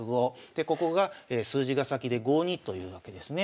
でここが数字が先で５二というわけですね。